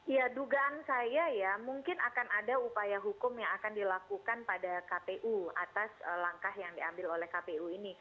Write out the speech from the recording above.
ya dugaan saya ya mungkin akan ada upaya hukum yang akan dilakukan pada kpu atas langkah yang diambil oleh kpu ini